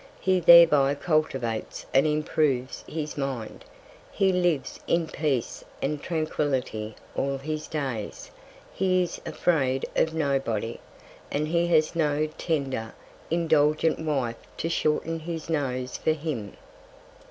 He thereby cultivates and improves his Mind. He lives in Peace and Tranquility all his Days; he is afraid of Nobody, and he has no tender, indulgent Wife to shorten his Nose for him.